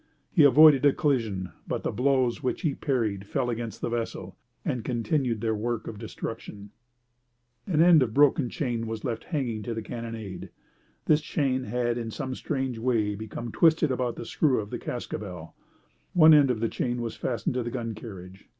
He avoided a collision, but the blows which he parried fell against the vessel, and continued their work of destruction. [Illustration: The Contest Between Gun and Gunner] An end of broken chain was left hanging to the carronade. This chain had in some strange way become twisted about the screw of the cascabel. One end of the chain was fastened to the gun carriage.